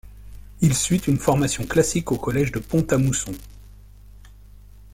Il suit une formation classique au collège de Pont-à-Mousson.